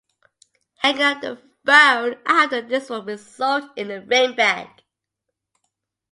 Hanging up the phone after this would result in a ring back.